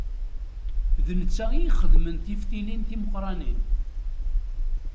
D netta i ixedmen tiftilin timeqqranin.